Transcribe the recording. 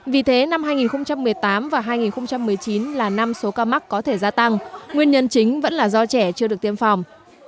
vì thế năm hai nghìn một mươi tám và hai nghìn một mươi chín là năm số ca mắc có thể gia tăng nguyên nhân chính vẫn là do trẻ chưa được tiêm phòng